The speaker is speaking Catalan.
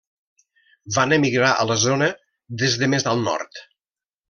Van emigrar a la zona des de més al nord.